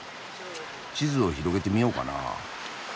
地図を広げてみようかな。